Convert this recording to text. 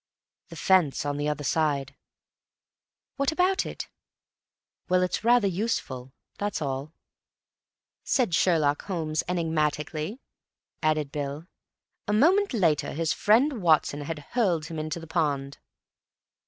"The fence on the other side." "What about it?" "Well, it's rather useful, that's all." "Said Sherlock Holmes enigmatically," added Bill. "A moment later, his friend Watson had hurled him into the pond."